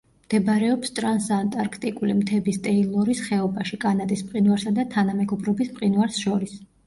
მდებარეობს ტრანსანტარქტიკული მთების ტეილორის ხეობაში კანადის მყინვარსა და თანამეგობრობის მყინვარს შორის.